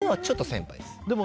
僕のほうがちょっと先輩です。